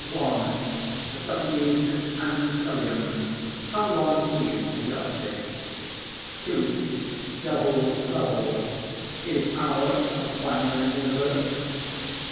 Cepheid and Cerium How Long Is a Yardstick? 2. Double Trouble Is Ours a Binary Universe?